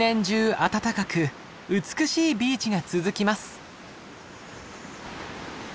暖かく美しいビーチが続きます。